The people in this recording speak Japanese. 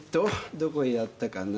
どこへやったかな。